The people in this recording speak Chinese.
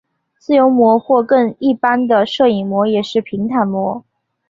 自由模或更一般的射影模也是平坦模。